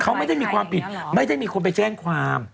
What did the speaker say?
เขาไม่ได้มีความผิดไม่ได้มีคนไปแจ้งความ